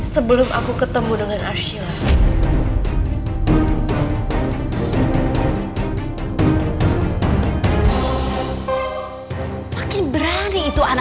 sebelum aku ketemu dengan arshila